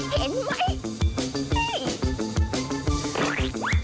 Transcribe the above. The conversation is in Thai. เห็นไหมนี่